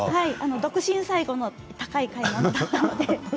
独身最後の高い買い物だったので。